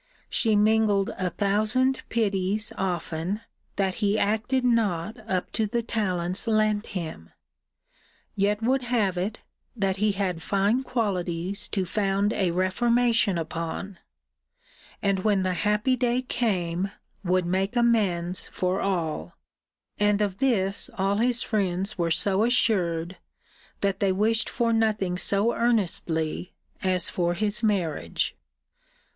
She mingled a thousand pities often, that he acted not up to the talents lent him yet would have it, that he had fine qualities to found a reformation upon: and, when the happy day came, would make amends for all: and of this all his friends were so assured, that they wished for nothing so earnestly, as for his marriage.'